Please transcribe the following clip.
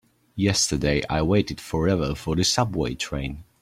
Yesterday I waited forever for the subway train.